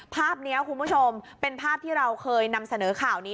ภาพนี้คุณผู้ชมเป็นภาพที่เราเคยนำเสนอข่าวนี้